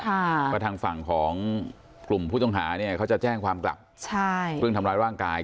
ว่าทางฝั่งของกลุ่มผู้ต้องหาเนี่ยเขาจะแจ้งความกลับใช่เรื่องทำร้ายร่างกาย